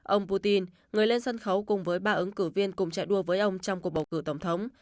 ông putin người lên sân khấu cùng với ba ứng cử viên cùng chạy đua với ông trong cuộc bầu cử tổng thống